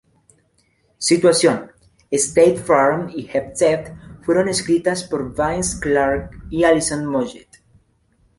Situation, State Farm y Get Set fueron escritas por Vince Clarke y Alison Moyet.